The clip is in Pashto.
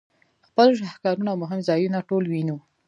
خپل شهکارونه او مهم ځایونه ټول وینو.